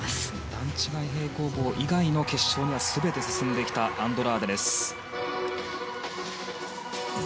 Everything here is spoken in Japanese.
段違い平行棒以外の決勝には全て進んできたアンドラーデ。